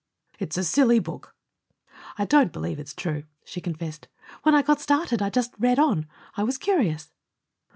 "It's a silly book." "I don't believe it's true," she confessed. "When I got started I just read on. I was curious."